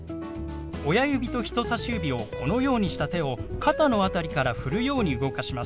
親指と人さし指をこのようにした手を肩の辺りからふるように動かします。